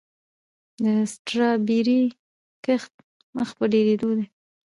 د سټرابیري کښت مخ په ډیریدو دی.